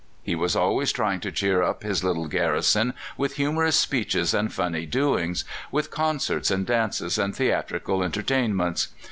He was always trying to cheer up his little garrison with humorous speeches and funny doings, with concerts and dances and theatrical entertainments.